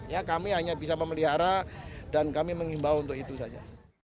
ya kami hanya bisa memelihara dan kami mengimbau untuk itu saja